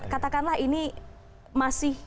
katakanlah ini masih